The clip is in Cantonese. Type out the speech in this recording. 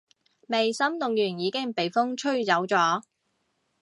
未心動完已經畀風吹走咗